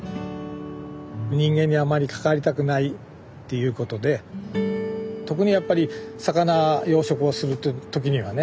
人間にあまり関わりたくないっていうことで特にやっぱり魚養殖をする時にはね